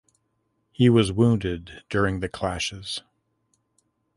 He was wounded during the clashes.